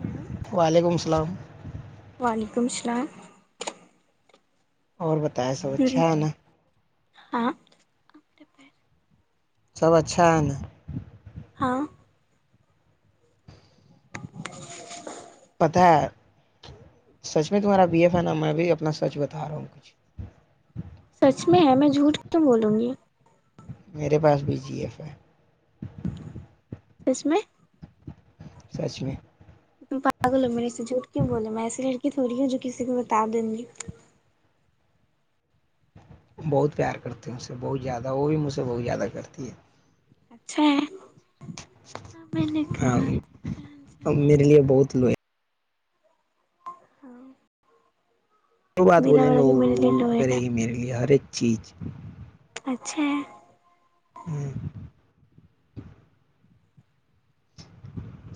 ہ وعلیکم السلام وعلیکم السلام اور ب تا سب اچھا ہے ہ نا ہاں سب اچھا ہے ن ہاں پتہ ہے سچ میں تمہارا بی ایف ہے نا میں بھی اپنا سچ بتا رہا ہوں کچھ سچ میں ہے میں جھوٹ ت بولوں گی میرے پاس بی جی ایف ہے اسس میں س ش تم پ بولو میرے سے جھٹ کیوں بولے میں ایسی لڑکی تھوڑی ہوں جو کسی کو بتا دیں گی بہت پیار کرتے ہیں اس سے بہت زیادہ وہ بھی مجھ سے بہت زیادہ کرتی ہے اچھا ہے میں نے ہاں کہا ا میرے لیے بہت لو ہاں جو بات بولیں گے وہ کرے گا گی میرے لیے ہر ایک چیز چھ ہوں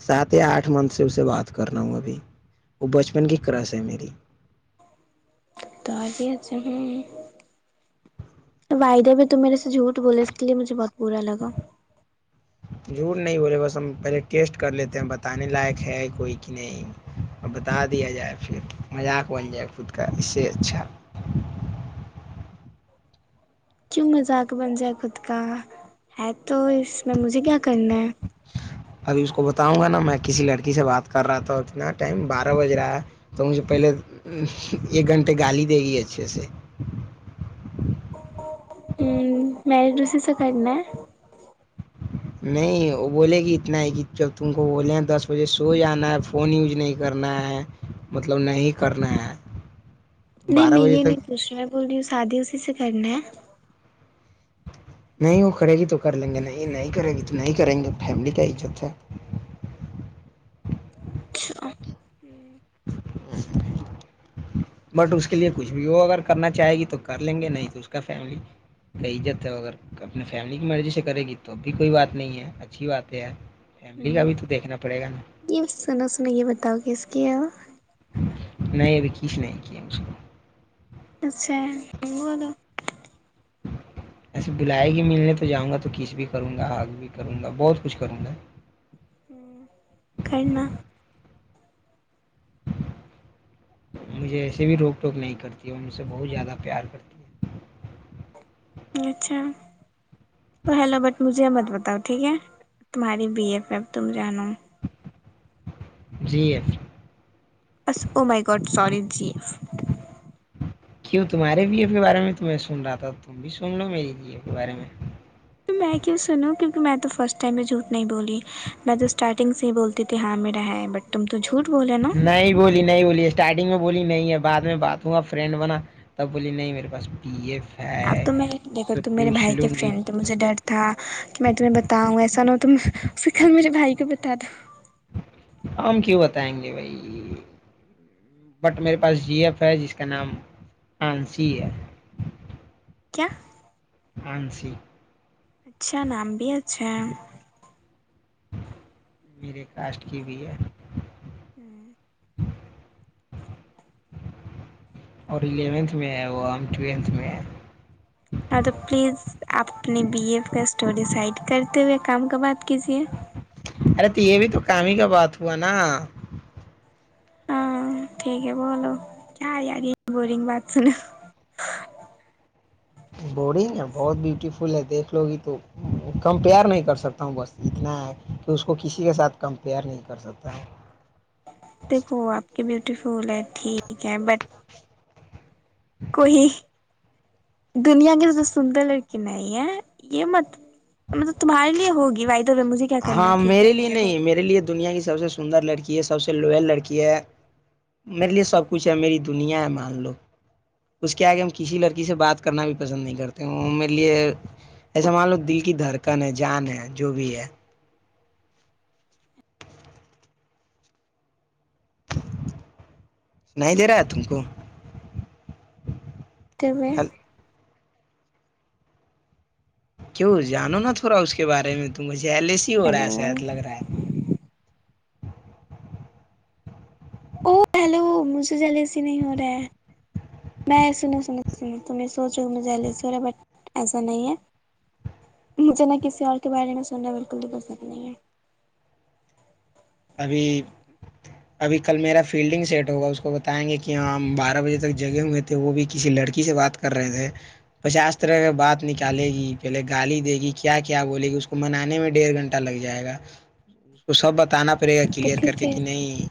سات یا آٹھ منت سے اسے بات کرنا ہوں ابھی وہ بچپن کی کررس ہے میری تو ہ ودہ بھی تو میرے سے جھوٹ بولے اس کے لیے مجھے بہت برا لگا جھوٹ نہیں بولے بس ہم پہلے ٹیسٹ کر لیتے ہیں بتانے لائق ہے کوئی کہ نہیں اور بتا دیا جائے پھر مذاق بن جائے خود کا اس سے اچھا کیوں مذاق بن جائے خود کا ہے تو اس میں مجھے کیا کرنا ہے ابھی اس کو بتاؤں گا نا میں کسی لڑکی سے بات کر رہا تھا اتنا ٹائم بارہ بج رہا ہے تو مجھے پہلے ایک گھنٹے گالی دے گی اچھے سے مری دوسی سے کرنا ہے نہیں وہ بولے گی اتنا ہے کہ جب تم کو بولیں دس بجے سو جانا ہے فون یوج نہیں کرنا ہے مطلب نہیں کرنا ہے نہیں بارہ میں بجے یہ تک نہیںوھ رہا بول رہی ہوں شادی سے س کرنا ہے نہیں وہ کرے گی تو کر لیں گے نہیں نہیں کرے گی تو نہیں کریں گے فیملی کا عزت ہے اچھا بٹ اس کے لیے کچھ بھی ہو اگر کرنا چاہے گی تو کر لیں گے نہیں تو اس کا فیملی کت اگر اپنے فیملی کی مرضی سے کرے گی تو اب بھی کوئی بات نہیں ہے اچھی بات ہے فیملی ہوں کا بھی تو دیکھنا پڑے گا نا یہ سناو سنا یہ بتاؤ کس کی ہے نہیں اب کیس نہیں کیا ہے مجھ کو اچھا وال ایسے بلائے گی ملنے تو جاؤ گا تو کچ بھی کروں گا حگ بھی کروں گا بہت کچھ کروں گا ہ کیں نہ مجھے ایسے بھی روک ٹوک نہیں کرتی اور مجھ سے بہت زیادہ پیار کرتی ہے اچھا تو ہیلو بٹ مجھے مت بتاؤ ٹھیک ہے تمہاری بی ا پ اب تم جانا جی ایف جیف کیوں تمہارے بھی ایف کے بارے میں تو میں سن رہا تھا تم بھی سن لو میری بی ای کے بارے میں تو میں کیوں سنوں کیوںک میں تو فرسٹ ٹائم میں جھوٹ نہیں بولی میں تو اسٹارٹنگ سے ہی بولتی تھی ہاں میرا ہے بٹ ت نہیں بولی نہیں بولی اسٹارٹنگ میں بولی نہیں ہے بعد میں باتوں گا فرینڈ بنا تب بولی نہیں میرے پاس پی ایف اب ہے تو میں اس دیکو سے تم میرے پوچھ بھائی لوں کے گی فرینڈ تو مجھے ڈر تھا کہ میں تمہیں بتاؤں ایسا نہ ہو تو سے کل میرے بھائی کے بتا دو ہم کیوں بتائیں گے بھائی بٹ میرے پاس جی ایف ہے جس کا نام آنسی ہے کیا فنسی اچھا نام بھی اچھا میرے کاسٹ کی بھی ہے اور الیونتھ میں ہے وہ ہم ٹویلتھ میں اپنی بی ایف کا اسٹوری سائڈ کرتے ہوئے کام کا بات کیجیے ارے تو یہ بھی تو کام ہی کا بات ہوا نا ہاں ٹھیک ہے بولو کیا یاری بورنگ بات سنو بورڈنگ ہے بہت بیوٹیفل ہے دیکھ لو گی تو کمپیئر نہیں کر سکتا ہوں بس اتنا ہے کہ اس کو کسی کے ساتھ کمپیئر نہیں کر سکتا دیکھو آپ کی بیوٹیفول ہے ٹھیک ہے بٹ کوئی دنیا کی سندر لڑکی نہیں ہے یہ م مطلب تمہارے لیے ہوگی و ہاں میرے لیے نہیں میرے لیے دنیا کی سب سے سندر لڑکی ہے سب سے لوئل لڑکی ہے میرے لیے سب کچھ ہے میری دنیا ہے مان لو اس کے آگے ہم کسی لڑکی سے بات کرنا بھی پسند نہیں کرتے میرے لیے ایسا مان لو دل کی دھڑکن ہے جان ہے جو بھی ہے س نہیں دے رہا ہے تم کو جب کیوں جانو نا تھوڑا اس کے بارے میں تو مج جہلس ہی ہو رہا ہیلو ہے شحد لگ رہا ہے او ہیلو مجھے جلد ایسے نہیں ہو رہا ہے میں ای سوچو سا ایسا نہیں ہے مجھے نہ کسی اور کے بارے میں سننا بالکل بھی پسند نہیں ہے ابھی ابھی کل میرا فیلڈنگ سیٹ ہوگا اس کو بتائیں گے کہ ہاں بارہ بجے تک جگے ہوئے تھے وہ بھی کسی لڑکی سے بات کر رہے تھے پچاس طرح کے بات نکالے گی پہلے گالی دے گی کیا کیا بولے گی اس کو منانے میں ڈیڑھ گھنٹہ لگ جائے گا اس کو سب بتانا تو کلیئر کر ٹھیک کے ہے کہ نہیں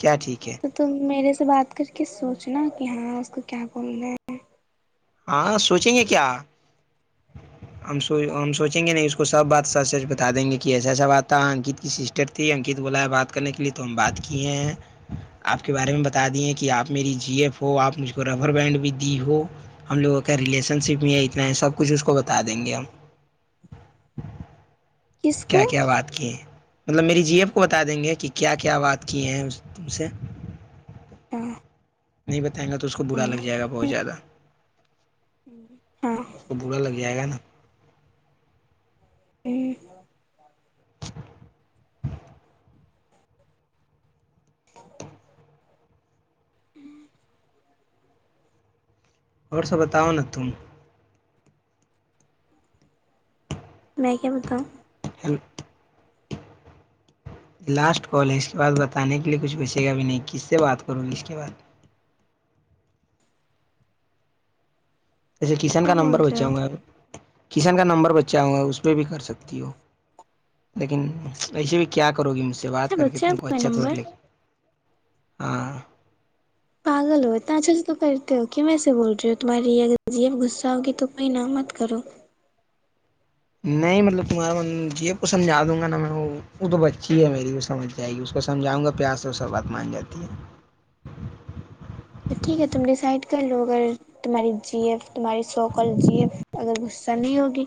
کیا اچھا ٹھیک ہے تو ت میرے اس سے بات کر کے سوچنا کہ ہاں اس کو کیا کن ہے ہاں سوچیں گے کیا ہمو ہم سوچیں گے نہیں اس کو سب بات سچ سچ بتا دیں گے کہ ایسا ایسا بات تھا انکت کی سسٹر تھی انکت بولا ہے بات کرنے کے لیئے تو ہم بات کیے ہیں آپ کے بارے میں بتا دیے کہ آپ میری جی ایف ہو آپ نے مجھ کو ربر بینڈ بھی دی ہو ہم لوگوں کا ریلیشن شپ میں ہے اتنا ہے سب کچھ اس کو بتا دیں گے ہم کس کو کیا کیا بات کی مطلب میری جی ایف کو بتا دیں گے کہ کیا کیا بات کیے ہیں تم سے تو نہیں بت یں گا تو اس کو برا لگ جائے گا بہت زیادہ ہاں اس کو برا لگ جائے گا نا ہوں ہ اور سب بتاؤ ن تم میں کیا پتا ہ ہیلو لاسٹ کال ہے اس کے بعد بتانے کے لیے کچھ پوچے گا بھی نہیں کس سے بات کروں گی اس کے بعد جیسے کشن کا کیا نمبر بول رہے بچا ہو ہوںگا ا کشن کا نمبر بچا ہووںگا اس جو بھی کر سکتی ہو لیکن وسے بھی کیا کرو گی مجھ سے بات اچھا کر کے بچہ ہے تم کو کا اچھا تھڑ نمبر لے ہ پاگل ہو اتناچھل تو کرتے ہو کہ میں سے بول رہی ہو تمہاری یہ غذیب غصہ ہوگی تم کو ن مت کرو نہیں مطلب تمہارا م جب کو سمجھا دوں گا نا میں وہ تو بچی ہے میری وہ سمجھ جائے گی اس کو سمجھاؤں گا پیار سے اس بات مان جاتی ہے تو ٹھیک ہے تم ڈیسائڈ کر لو اگر تمہاری جی ایف تمہاری سوکل جی ایف اگر غصہ نہیں ہوگی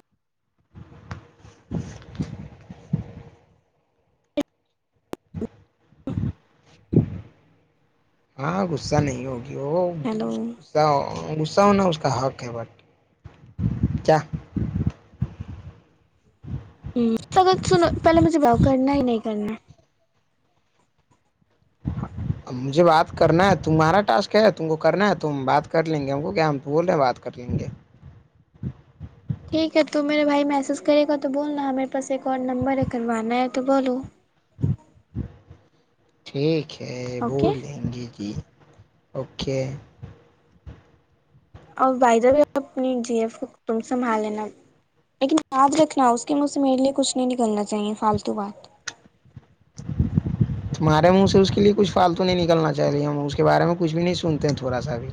ہاں غصہ نہیں ہوگا ہیلو جو سونا اس کا حق ہے بٹ کیا ہ تو اگر سنو پہلے مجھے بتاؤ کرنا ہی نہیں کرنا اب مجھے بات کرنا ہے تمہارا ٹاسک ہے تم کو کرنا ہے تو ہم بات کر لیں گے ہم کو کیا ہم بول رہے ہیں بات کر لیں گے ٹھیک ہے تو میرے بھائی محسس کرے گا تو بولنا میرے پاس ایک اور نمبر ہے کروانا ہے تو بولو ٹھیک ہے کہ اوکے بورڈ لینگویجی اوکے اور بھائی جب اپنی جی ایف کو تم سنبھال لینا لیکن یاد رکھنا اس کے مجھ سے میرے لیے کچھ نہیں نکلنا چاہیے فالتو بات تہارے منہ سے اس کے لیے کچھ فالتو نہیں نکلنا چاہ رہی ہم اس کے بارے میں کچھ بھی نہیں سنتے تھوڑا سا بھی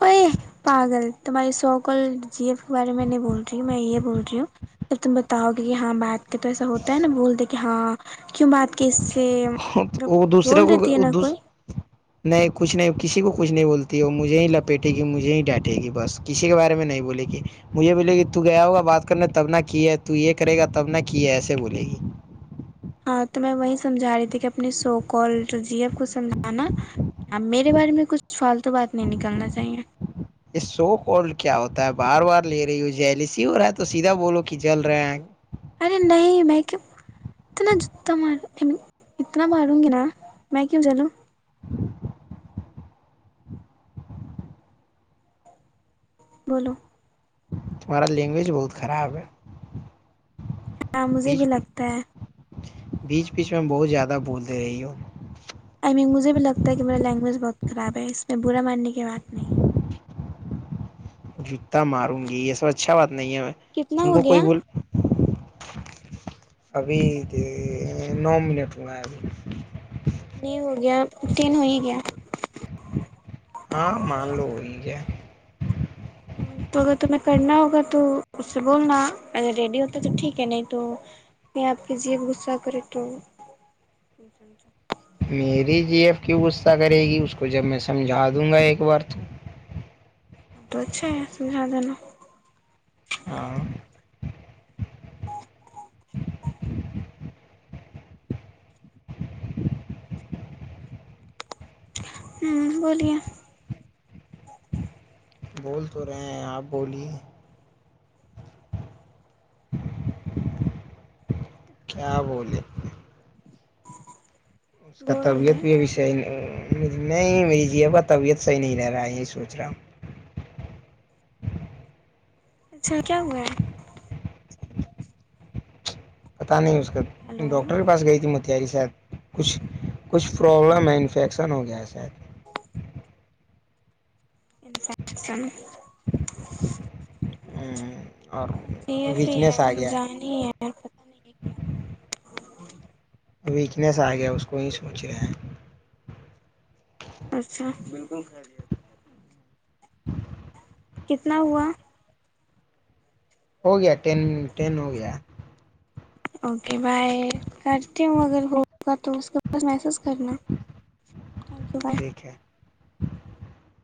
اوئے پاگل تمہاری سو ک جی ایف کے بارے میں نہیں بول رہی میں یہ بول رہی ہوں ج تم بتاؤ گے کہ ہاں بات کہ تو ایسا ہوتا ہے نا بول دیں کہ ہاں کیوں بات کی اس سے ملب وہ دوسرے بول دیتی ہے کو نا کوئی دوس نہیں کچھ نہیں کسی کو کچھ نہیں بولتی وہ مجھے ہی لپیٹے گی مجھے ہی ڈانٹے گی بس کسی کے بارے میں نہیں بولے گی مجھے بولے گی تو گیا ہوگا بات کرنے تب نہ کی ہے تو یہ کرے گا تب نہ کی ہے ایسے بولے گی ہاں تو میں وہی سمجھا رہی تھی کہ اپنی سو کال جی کو سمجھانا آ میرے بارے میں کچھ فال یہ شوڈ کیا ہوتا ہوتا ہے بار بار لے رہی ہ ہو جیلی سی ہو رہا ہے تو سیدھا بولو کہ جل رہے ہیں ارے نہیں میں کیوں اتنا جتا مار اتنا ماروں گی نا میں کیوں چلوں ج بولو تمہارا لینگویج بہت خراب ہے ہاں مجھے بیچ بھی لگتا ہے بیچ بیچ میں بہت زیادہ بھولتے رہی ہوں آئی مک مجھے بھی لگتا ہے کہ میرا لینگویج بہت خراب ہے اس میں برا ماننے کی بات نہیں ہے جوتا ماروں گی یہ سب اچھا بات نہیں ہے میں کتنا تم ہو کو کوئی گیا بول ابھی نو منٹ ہونا ہے ابھی نہیں ہو گیا تین ہو ہی گیا ہاں مان لو وہی ہے تو اگر تمہیں کرنا ہوگا تو اس سے بولنا اگر ریڈی ہوتا تو ٹھیک ہے نہیں تو آپ کے جی صہ کرے تو میری جی ایف کیوں غصطہ کرے گی اس کو جب میں سمجھا دوں گا ایک بار تو ا تو اچھے سمھ دینا ہاں ہوں بولیے بول تو رہے ہیں آپ بولیے کیا بولے اس کا بور ہو طبیعت گیا بھی نہیں میری جی کا طبیعت صحیح نہیں رہ رہا یہی سوچ رہا ہوں اچھا کیا ہوا ہے پتہ نہیں اس کا ہیلو ڈاکٹر کے پاس گئی تھی میں تیری شاید کچھ کچھ پرابلم ہے انفیکشن ہو گیا ہے شاید اور یہ ویکنیس آ ہے گیا جانی ہے نہیں ہے کیا ہوا ویکنیس آ گیا اس کو ہی سوچ رہے ہیں اچھا بالکل [inaudible] کتنا ہوا ہو گیا ٹین ٹین ہو گیا اوک کہ بائی کرتی ہوں اگر ہوگا تو اس کے پاس میس کرناھیک ی بائے ٹھیک ہے